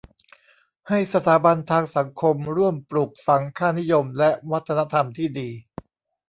ให้สถาบันทางสังคมร่วมปลูกฝังค่านิยม และวัฒนธรรมที่ดี